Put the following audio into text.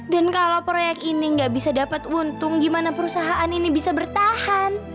dan kalo proyek ini gak bisa dapat untung gimana perusahaan ini bisa bertahan